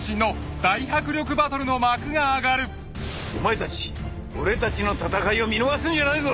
「お前たち俺たちの戦いを見逃すんじゃないぞ！」